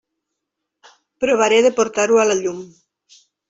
Provaré de portar-ho a la llum.